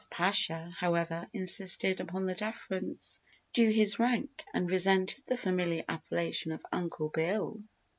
The Pasha, however, insisted upon the deference due his rank and resented the familiar appellation of "Uncle Bill."